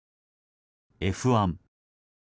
Ｆ１。